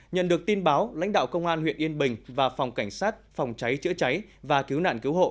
nhận được tin báo lãnh đạo công an huyện yên bình và phòng cảnh sát phòng cháy chữa cháy và cứu nạn cứu hộ